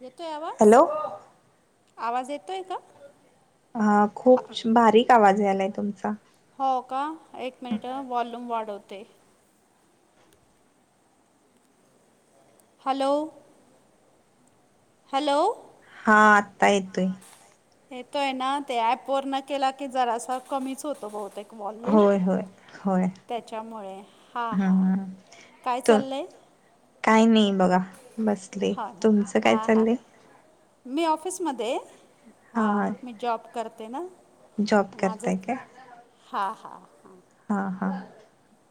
येतोय आवा... हॅलो... आवाज येतोय का? हा... खूप बारीक आवाज यायलाय तुमचा. हो.. का... एक मिनट अ... वॉल्यूम वाढवते. हॅलो.... हॅलो.... हा.... आत्ता येतोय. येतोय ना... ते ऍप वर न केला की जरासा कमीच होतो बहुतेक... वॉल्यूम होय -होय..... होय त्याच्यामुळे... हा -हा हम्म काय त चाललंय? काय नाही बघा... बसले. हा ना तुमचं काय हां हां चाललंय? मी ऑफिसमध्ये आहे. हा मी जॉब करते ना. जॉब माझंच करताय काय हा हा. हा हा.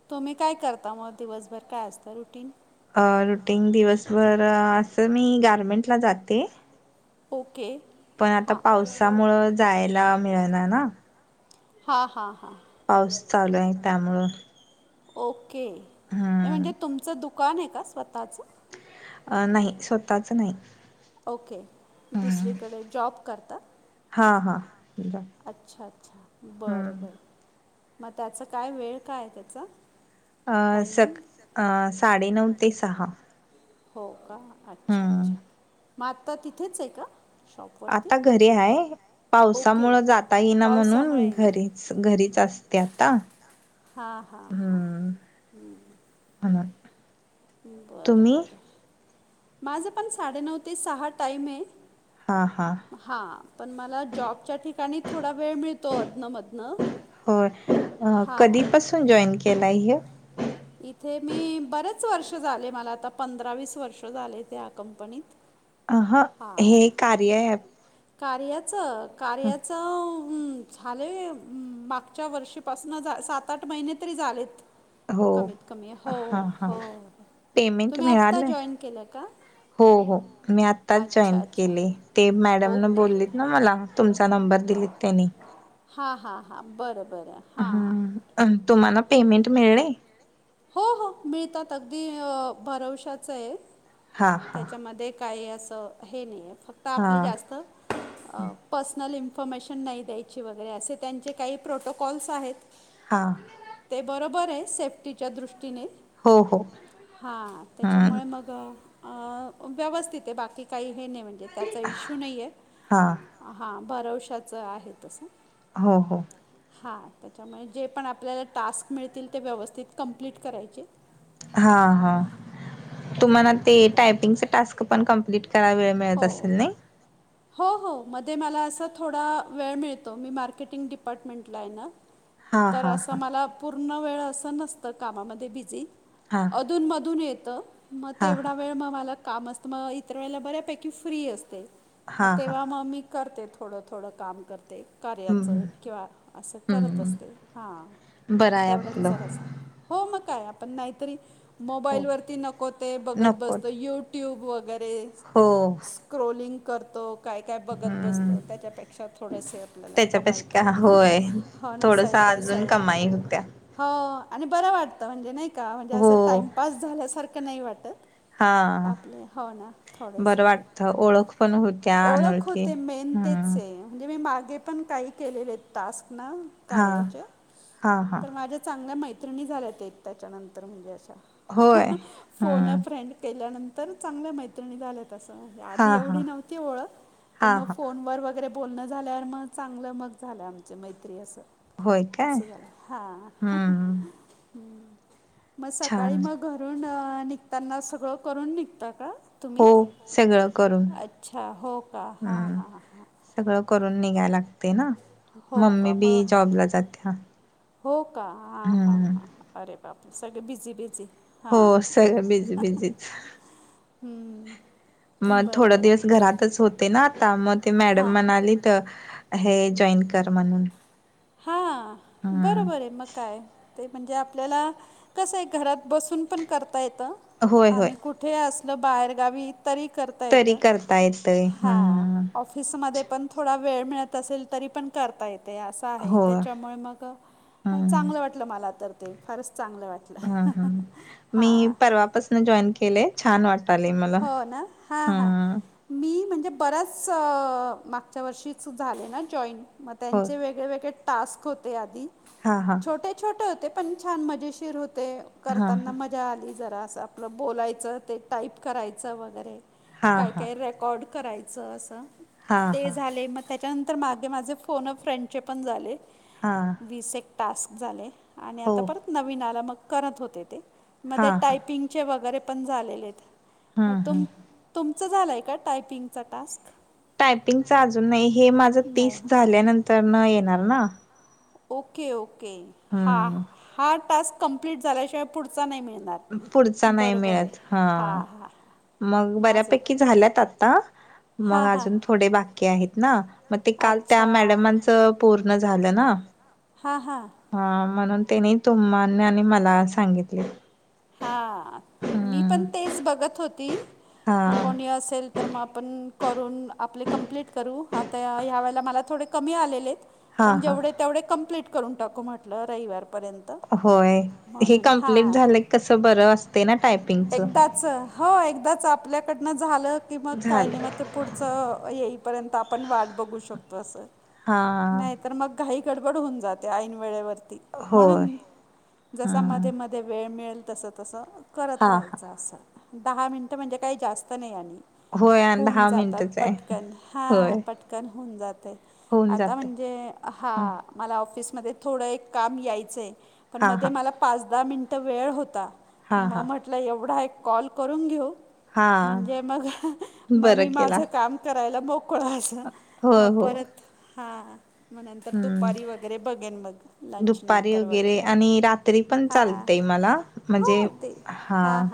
तुम्ही काय करता? मग दिवसभर काय असतं रुटीन? अ रुटीन दिवसभर असं मी गारमेंटला जाते. ओके. पण आता हां पावसामुळं जायला मिळणा ना. हा हा हा. पाऊस चालू आहे त्यामुळं. ओके. हे हम्म म्हणजे तुमचं दुकान आहे का स्वतःचं? अ नाही. स्वतःच नाही. ओके हम्म दुसरीकडे जॉब करता? हा हा. ब अच्छा अच्छा बरं हम्म बरं मग त्याचा काय वेळ काय आहे त्याचा? अ सक अ साडेनऊ ते सहा. सहा. हो का? अच्छा हम्म अच्छा. मग आत्ता तिथेच आहे का? शॉपवरती आता घरी आहे. ओके पावसामुळ जाता ओके येईना पावसामुळं जाता म्हणून येत नाही. पावसामुळे घरीच. घरीच असते आता. हां हां हां हुं. अनर्थ. बरं बर. माझा पण साडेनऊ ते सहा टाईम आहे. हा हा. हा. पण मला जॉबच्या ठिकाणी थोडा वेळ मिळतो अधनं मधनं. होय. अ कधीपासून जॉईन केलाय हे? इथे मी बरेच वर्ष झाले. मला आता पंधरा वीस वर्ष झालेत ह्या कंपनीत. अ हं. हे हां कार्या ॲप कार्याचं? कार्याचं हम् झालेय. हुं मागच्या वर्षीपासनं सात आठ महिने तरी झालेत. हो कमीत कमी. हो हां हां हो. पेमेंट तुम्ही आत्ता मिळालंय जॉईन केलं का? हो हो मी आत्ताच अच्छा जॉईन अच्छा केले. ते तेच मॅडम मॅडमन बोलले बोललेत ना मला, तुमचा नंबर दिलीत त्यांनी. हां हां हां. बरं बरं. हां. ह तुम्हाला पेमेंट मिळले? हो हो. मिळतात. अगदी भरवशाच आहे. हा हा त्याच्यामध्ये काही असं हे नाही आहे फक्त हा आपली जास्त पर्सनल इन्फॉर्मेशन नाही द्यायची वगैरे असे त्यांचे काही प्रोटोकॉल्स आहेत. हा. ते बरोबर आहे सेफ्टीच्या दृष्टीने. हो हो हा. हम्म त्याच्यामुळे मग आ व्यवस्थित आहे बाकी काही हे नाही म्हणजे त्याचा इश्यू नाही आहे. हा हा. भरवशाच आहे तसं. हो हो. हा. त्याच्यामुळे जे पण आपल्याला टास्क मिळतील ते व्यवस्थित कंप्लीट करायचे. हा हा तुम्हाला ते बरं टायपिंगच टास्क पण कम्प्लीट. त्याला वेळ मिळत हो असेल नाही? हो हो मध्ये मला असा थोडा वेळ मिळतो. मी मार्केटिंग डिपार्टमेंटला आहे ना. हा तर हा असं हा मला पूर्ण वेळ असं नसतं. कामामध्ये बिझी. हा. अधून मधून येत. म हा हा तेवढा वेळ म मला काम असत. म इतर वेळेला बऱ्यापेकी फ्री असते. म हा हा तेव्हा म मी करते थोडं थोडं काम करते. हम्म कार्याचं असं करत असते. हम्म हां बरं आहे तेवढंच आपलं असं हो म काय. आपण नाहीतरी हो मोबाईलवरती नको ते बघत नको बसतो. यू ट्यूब वगैरे. हो. स्क्रोलिंग करतो. काय काय बघत हम्म बसतो. त्याच्यापेक्षा थोडंस आपल्याला कमायी. त्याच्यापेक्षा होय हो ना थोडस साईड बाय अजून साईड. कमाई होत्या हो आणि बरं वाटतं म्हणजे नाही का? म्हणजे हो असं टाइमपास झाल्यासारखं नाही वाटत. हा आपले हो ना बरं थोडेसे वाटतं ओळख पण होत ओळख होते मेनतेचे. म्हणजे मी मागे पण काही केलेले टास्क ना. हा कार्याचे. हा हा तर माझ्या चांगल्या मैत्रिणी झाल्या त्या त्याच्यानंतर म्हणजे अशा. होय फोन हम्म फ्रेंड केल्यानंतर चांगल्या मैत्रिणी झाल्या असं! हा आधी हा एवढी नव्हती ओळख. हा पण मग हा फोन वर वगैरे, बोलणं झाल्यावर मग, चांगलं मग झालं आमच मैत्री असं. होय काय असं झालं. हा. हम्म म सकाळी छान मग घरून निघताना सगळं करून निघतं का तुम्ही? हो हो सगळं करून. अच्छा हो का हां हम्म. हां हां सगळं करून निघायला लागतय ना? हो मम्मी का बी मग जॉबला जात्या. हो का हां हां हम्म. हां अरे बाप. सगळे बिझी बिझी. हो हां सगळं बिझी बिझीच. हम्म. मग थोड दिवस घरातच होते ना आता. मग ते मॅडम म्हणाली त हे जॉईन कर म्हणून. हा हम्म बरोबरे. मग काय? ते म्हणजे आपल्याला कसंय. घरात बसून पण करता येत. होय आणि होय कुठ ठे असल बाहेगावी तरी करता येत. तरी करता येतय हा. हम्म ऑफ फिसमध्ये पण थोडा वेळ मिळत असेल. तरी पण करता येत हे आस आहे. हो त्याच्यामुळे मग हम्म चांगलं वाटलं मला तर ते. फारच चांगलं वाटल. हा हा. मी परवापासन जॉईन केलेय. छान वाट टालय मला. हो ना हां हां हम्म. मी म्हणजे बऱ्याच मागच्या वर्षीच झाले ना जॉईन. म हो त्यांचे वेगळे वेगळे टास्क होते आधी. हा हा. छोटे छोटे होते. पण छान मजेशीर होते. हा करताना हा मज मज्जा आली. जरासा आपलं बोलायचं ते टाईप करायचं वगैरे. हा काय हा काय रेकॉर ड करायच अस. हा ते हा झाले म त्याच्यानंतर मागे माझे फोन फ्रेंडचे पण झाले. हा. विसेक टास्क झाले, आणि हो आता परत नवीन आलं, मग करत होते ते. हा मध्ये हा टायपिंगचे वगैरे पण, झालेले येत. हम्म हम्म तुम-तुमचं झालंय का, टायपिंगचा टास्क? टायपिंगच अजून नही, हे माझं नाही तीस ना झाल्यानंतर न, येणार ना? ओके-ओके हां, हम्म हां टास्क कमप्लीट झाल्याशिवाय पुढचा नही मिळणार, पुढचा नाही बरोबर य मिळत हां हा ह. मग बऱ्यापैकी झाल्यात आता, मग हां हां अजून थोडे, बाकी आहेत ना? म ते काल, त्या मॅडमांच पूर्ण झालं ना. हा हां. हा म्हणून तेने, तुमनी आणि मला सांगितले. हां, मी हम्म पण तेच बघत होती, हा की कोणी असेल तर म आपण करून, आपले कमप्लीट करू, आता ह्या वेळेला मला, थोडे कमी आलेले येत. हा पण हा जेवढे, तेवढे कंप्लीट करून टाकू म्हटलं, रविवारपर्यं होय, हे कंप्लीट झालं कि, कस बरं असते ना, टायपिंग. एकदाचं, हो एकदाच आपल्याकडनं झालं की, मग काय नही, झालं मग ते पुढचं येईपर्यंत, आपण वाट बघू शकतो, असं हां. तर मग, घाई गडबड होऊन जाते, ऐन वेळेवरती, होय म्हणून जसा हम्म मध्ये-मध्ये वेळ मिळेल, तस-तस करत हा हा राहायचं असं. दहा मिनिटं म्हणजे, काही जास्त नाही आणि होय आणि होऊन दहा जातात मिनिटच आहे पटकन, होय हां पटकन होऊन जातय. होऊन आता जाते म्हणजे, हां मला ऑफिसमध्ये थोडं, एक काम यायचं य, पण हा मध्ये हा मला पाच दहा मिनटं वेळ होता, हा म हा म्हटलं एवढा, एक कॉल करून घेऊ. हा म्हणजे मग, मी बरं मग माझ केला काम करायला मोकळ असं, म होय हो परत म नंतर हम्म दुपारी वगैरे, बघेन मग, लंच दुपारी नंतर वगैरे, आणि रात्री पण हां. चालतय मला हो म्हणजे ते हां,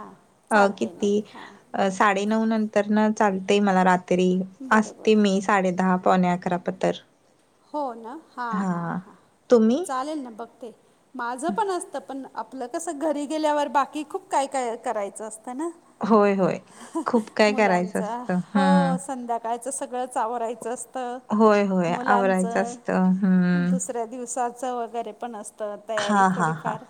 अ चालतंय ना किती? हां अ साडे नऊ नंतर ना, चालतय मला रात्री, बरोबर असते मी. साडे दहा पाऊणे अकरा, पत्तर हो न, हां हां हां, तुम्ही चालेल ना बघते, माझं पण असतं, पण आपलं कस, घरी गेल्यावर बाकी, खूप काय-काय करायचं असतं ना? होय होय खूप काय करायचं मुलांचा, असतं हो हम्म संध्याका ळचं, सगळंच आवरायच अस होय होय आवरा चं दुसऱ्या दिवसाच, वगैरे पण अस त तयारी हा हा हा थोडीफार,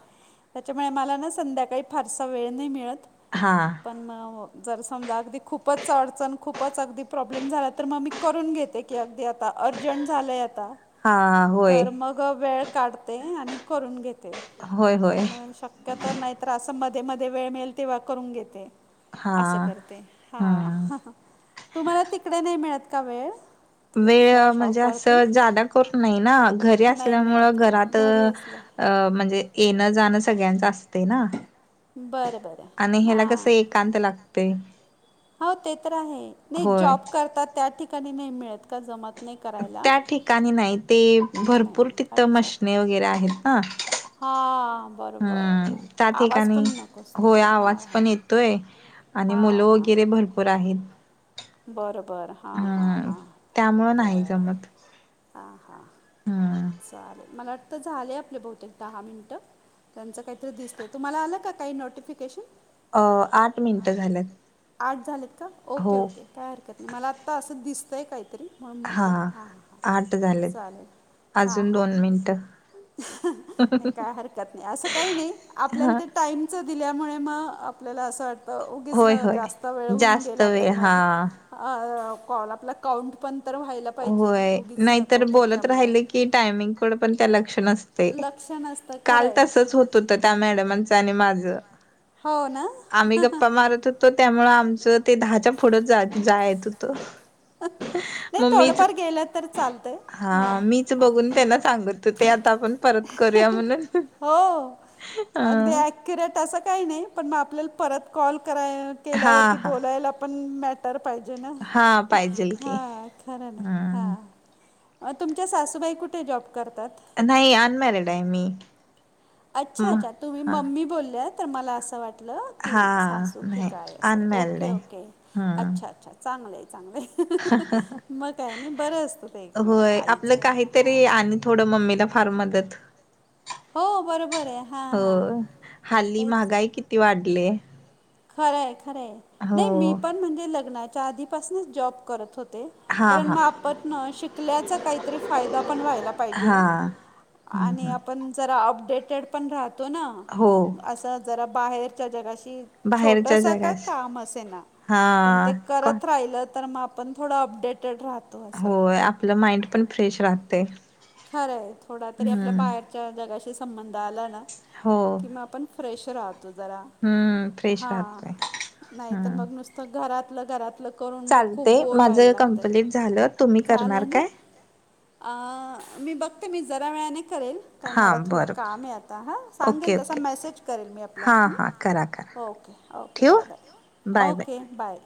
त्याच्यामुळे माला ना, संध्याकाळी फारसा वेळ नही मिळत. हां. पण मं, जर समजा, अगदी खूपच अडचण, खूपच अगदी प्रॉब्लेम झाला, तर मग मी करून घेते की, अगदी आता अर्जंट झालंय आता, हा होय तर मग वेळ काढते, आणि करून घेते. होय पण होय मग शक्य तर, नाही तर, असं मध्ये-मध्ये वेळ मिळेल, तेव्हा करून घेते. हा असं करते, हां हम्म तुम्हाला तिकड नही मिळत का, वेळ? वेळ तिकडे म्हणजे, अस त शॉपवरती जादा करून नही ना, घरी नाही असल्यामुळं, मिळत घरात घरी असलं अ म्हणजे येण जाणं सगळ्यांच असत ना, बरं बरं आणि ह्याला कस हां एक कांत लागतय हो ते तर आहे, नाही जॉब करता त्या ठिकाणी नाही मिळत का, जमत नही का? त्या ठिकाणी नाही ते, भरपूर नाही तित मशनी वगैरे आहेत ना हा हम्म, त्या ठिकाणी असतो होय हां आवाज हां पण येतोय आणि मुल वैगेरे भरपूर आहेत. बर बर, हा हा, हम्म हा, त्यामुळं नाही बर जमत हा हा हम्म चालेल मला वाटत, झालेय बहुतेक दहा मिनिट? त्यांच काहीतरी दिसतय, तुम्हाला आल का काही नोटिफिकेशन? अ आठ मिनिट झाल्यात. आठ झालेत का? ओके हो ओके काय हरकत नयी, मला आत्ता अस दिसतये काहीतरी. म्हणून हा म्हटलं हा, हां हां आट झाले हां चालेल हां अजून हां दोन मिनिट काय हरकत नयी अस कायी नयी, आपल्याला हा ते टाईम दिल्यामुळे म आपल्याला अस वाटत उगीच होय होय जास्त वेळ होऊन जास्त गेला, तर वेळ मग? हा कॉल आपला काउंट पण तर व्हायला पाहिजे, उगीच नको त्याच्यामुळे क टाइमिंग कडे पण त्या लक्ष नसतय लक्ष नसतं खरं काल आहे तसच हो हो त्या मॅडमाच आणि माझ हो ना आम्ही गप्पा मारत होत त्यामुळ आमच दहाच्या पुढच जायेच होत नाही थोडफार गेल तर चालत, हा मीच बघून अगदी त्यांना सांगत ओते आता आपण परत करूयात म्हणून, अ अक्युरेट अस काही नही पण मग आपल्याला परत कॉल कराय हा केल्यावरती हा बोलायला पण मॅटर पाहिजे ना, हा पाहिजेल की हा खर ना, हम्म हा तुमच्या सासूबाई कुठे जॉब करतात? नाही अनमॅरिड आहे मी. अच्छा म अच्छा तुम्ही हा मम्मी बोलल्यात तर मला अस वाटत की हा सासू की नाही काय? अस अनमॅरिड ओके आहे. ओके हम्म अच्छा अच्छा चांगलये चांगलये, मग काय? नाही बर असत ते एक होय आईच आपलं काहीतरी आणि थोड मम्मीला फार मदत हो, बरोबर आहे. हां, हो हां. हल्ली ते महागाई किती वाढलिये खरये खरये, नाही मी हो. पण म्हणजे लग्नाच्या आधीपासनच जॉब करत होते हा कारण हा मग आपणन शिकल्याचा काहीतरी फायदा पण व्हायला पाहिजे हा हम्म आणि हम्म आपण जरा अपडेटेड पण राहतो ना, हो. अस जरा बाहेरच्या जगाशी बाहेरच्या छोटस का जगास काम असे ना, हा पण ते कोण करत राहिल तर मग आपण थोड अपडेटेड राहत होय आपल माइंड पण फ्रेश राहतय खरये, थोडा तरी आपल्या हम्म बाहेरच्या जगाशी संबंध आला ना हो. कि मग आपण फ्रेश राहतो जरा हम्म फ्रेश हा राहतोय नाही तर हम्म. मग नुसत घरातल घरात आपल करून मग खूप चालते बोर व्हायला माझं लागतय, कंप्लीट झालं तुम्ही झालय करणार ना काय? अ मी बघते मी जरा वेळाने करेल कार हां मला थोड बरं बरं कामये आता हा, ओके सांगेल तसा ओके. मेसेज करेल मी आपला हां हां करा करा ओके, ओके ठेवू bye bye, bye bye. Okay bye